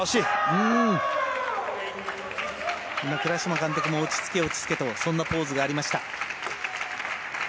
倉嶋監督も落ち着け落ち着けとそんなポーズがありました。